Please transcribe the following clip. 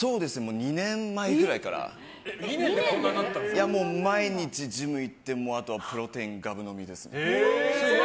２年前くらいから毎日ジムに行ってあとはプロテインがぶ飲みです。